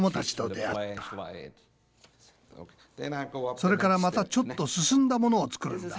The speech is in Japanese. それからまたちょっと進んだものを作るんだ。